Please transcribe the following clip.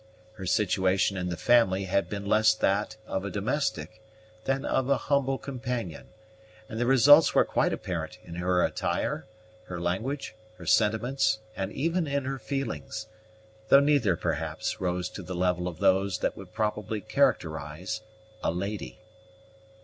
Her situation in the family had been less that of a domestic than of a humble companion, and the results were quite apparent in her attire, her language, her sentiments, and even in her feelings, though neither, perhaps, rose to the level of those which would properly characterize a lady.